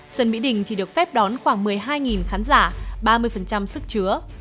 sân mỹ đình chỉ được phép đón khoảng một mươi hai khán giả ba mươi sức chứa